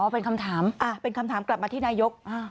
เป็นคำถามเป็นคำถามกลับมาที่นายก